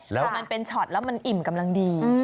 พอมันเป็นช็อตแล้วมันอิ่มกำลังดี